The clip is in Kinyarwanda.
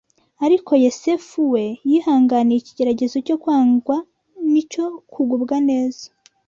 Ariko Yesefu we yihanganiye ikigeragezo cyo kwangwa n’icyo kugubwa neza.